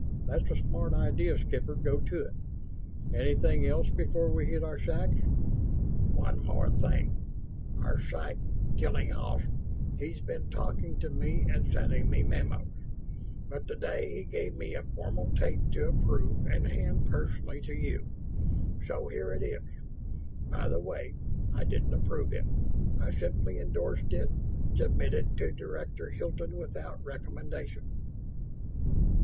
"That's a smart idea, Skipper. Go to it. Anything else before we hit our sacks?" "One more thing. Our psych, Tillinghast. He's been talking to me and sending me memos, but today he gave me a formal tape to approve and hand personally to you. So here it is. By the way, I didn't approve it; I simply endorsed it 'Submitted to Director Hilton without recommendation'."